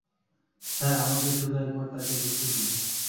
Sir, আমাকে শুধু একবার তাকে দেখতে দিন।